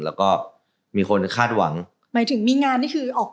แล้วก็มีคนคาดหวังหมายถึงมีงานนี่คือออกไปเล่นนะครับ